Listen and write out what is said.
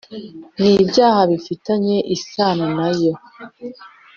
N ibyaha bifitanye isano nayo